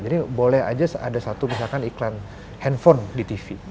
jadi boleh aja ada satu misalkan iklan handphone di tv